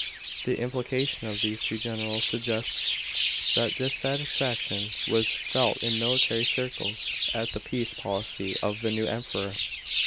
The implication of these two generals sugge ts that dissatisfaction was felt in military circles at the peace policy of the new Emperor.